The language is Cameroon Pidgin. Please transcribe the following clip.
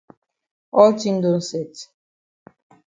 All tin don set.